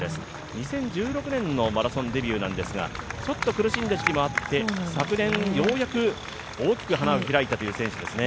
２０１６年のマラソンデビューなんですが、ちょっと苦しんだ時期もあって昨年、ようやく大きく花を開いたという選手ですね。